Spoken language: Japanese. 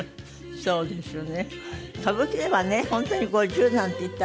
そうですよね。